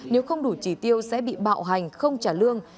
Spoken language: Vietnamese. nếu không đủ trì tiêu sẽ bị bạo hành không trả lương